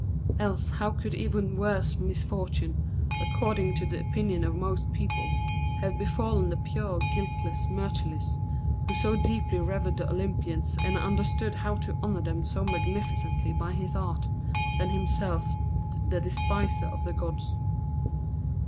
Else how could even worse misfortune, according to the opinion of most people, have befallen the pure, guiltless Myrtilus, who so deeply revered the Olympians and understood how to honour them so magnificently by his art, than himself, the despiser of the gods?